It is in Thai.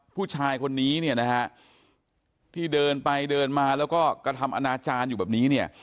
ผู้ชายคนนี้เนี่ยนะฮะที่เดินไปเดินมาแล้วก็กระทำอนาจารย์อยู่แบบนี้เนี่ย